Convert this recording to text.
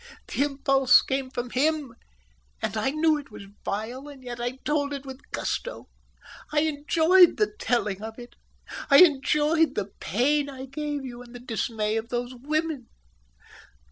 The impulse came from him, and I knew it was vile, and yet I told it with gusto. I enjoyed the telling of it; I enjoyed the pain I gave you, and the dismay of those women.